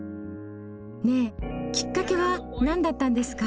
ねえきっかけは何だったんですか？